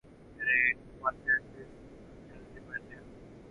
তিনি মাত্র এক টেস্টে অংশ নিতে পেরেছেন।